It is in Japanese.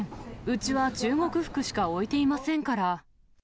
うちは中国服しか置いていませんから。